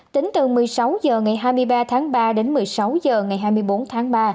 tính từ một mươi sáu h ngày hai mươi ba tháng ba đến một mươi sáu h ngày hai mươi bốn tháng ba